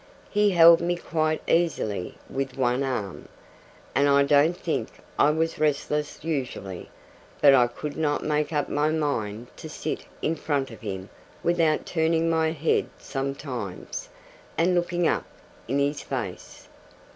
He held me quite easily with one arm, and I don't think I was restless usually; but I could not make up my mind to sit in front of him without turning my head sometimes, and looking up in his face.